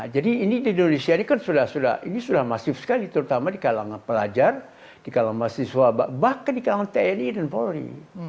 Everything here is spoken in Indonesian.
jadi ini di indonesia ini kan sudah sudah ini sudah masif sekali terutama di kalangan pelajar di kalangan mahasiswa bahkan di kalangan tni dan polri